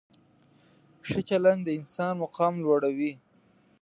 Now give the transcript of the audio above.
ښه چلند د انسان مقام لوړوي.